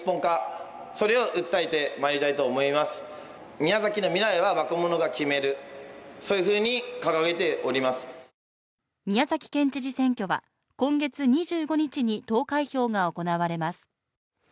宮崎県知事選挙は今月２５日に投開票が行われます。